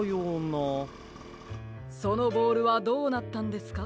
そのボールはどうなったんですか？